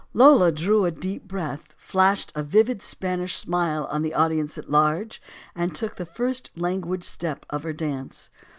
Lola drew a deep breath, flashed a vivid Spanish smile on the audience at large, and took the first languid step of her dance.